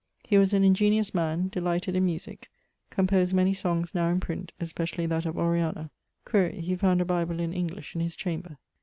He was an ingeniose man; delighted in musique; composed many songs now in print, especially that of _Oriana_[XIX.]. [XVIII.] Quaere he found a bible in English, in his chamber.